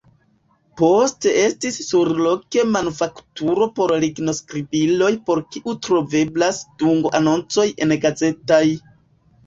Poste estis surloke manufakturo por lignoskribiloj por kiu troveblas dungoanoncoj engazetaj.